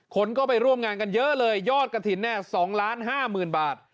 คนก็ไปร่วมงานกันเยอะเลยยอดกะถิ่นแน่๒ล้าน๕หมื่นบาท